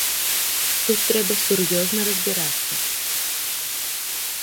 Тут трэба сур'ёзна разбірацца.